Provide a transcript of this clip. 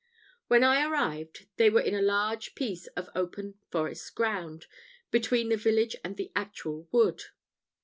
When I arrived, they were in a large piece of open forest ground, between the village and the actual wood.